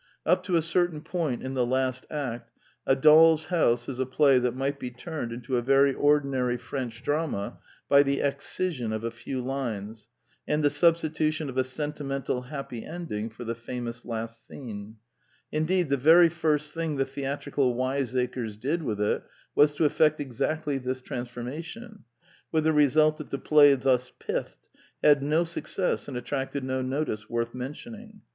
Up to a certain point in the last act, A Doll's House is a play that might be turned into a very ordinary French drama by the excision of a few lines, and the substitution of a sentimental happy ending for the famous last scene: indeed the very first thing the the atrical wiseacres did with it was to effect exactly this transformation, with the result that the play thus pithed had no success and attracted no no tice worth mentioning.